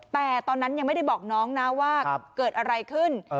แต่ตอนนั้นยังไม่ได้บอกน้องนะว่าเกิดอะไรขึ้น